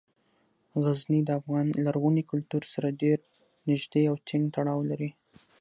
غزني د افغان لرغوني کلتور سره ډیر نږدې او ټینګ تړاو لري.